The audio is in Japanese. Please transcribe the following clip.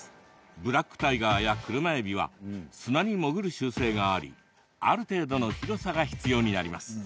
ブラックタイガーやクルマエビは砂に潜る習性がありある程度の広さが必要になります。